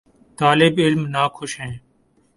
طالب علم ناخوش ہیں۔